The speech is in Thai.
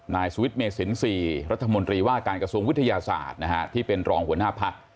นายสุวิทย์เมสิน๔รัฐมนตรีว่าการกระทรวงวิทยาศาสตร์ที่เป็นรองหัวหน้าพัก